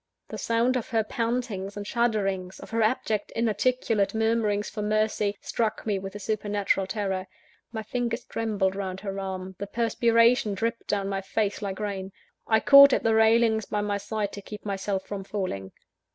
The sound of her pantings and shudderings, of her abject inarticulate murmurings for mercy, struck me with a supernatural terror. My fingers trembled round her arm, the perspiration dripped down my face, like rain; I caught at the railings by my side, to keep myself from falling.